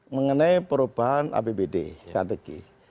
mengenai perubahan apbd strategis